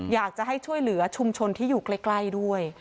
อยากจะให้ช่วยเหลือชุมชนที่อยู่ใกล้ด้วย